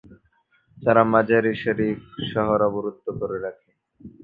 তারা মাজার-ই-শরীফ শহর অবরুদ্ধ করে রাখে।